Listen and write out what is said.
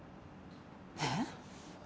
えっ？